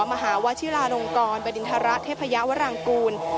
มหาวะชิลาลงกรบดินธระเท็ปัยวรรังปูน